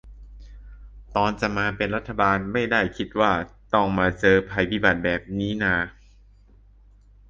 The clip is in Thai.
ตอนจะมาเป็นรัฐบาลไม่ได้คิดว่าจะต้องมาเจอภัยพิบัติแบบนี่นา